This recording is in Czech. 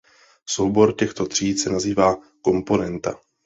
Soubor těchto tříd se nazývá "komponenta".